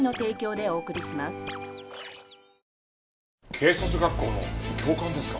警察学校の教官ですか？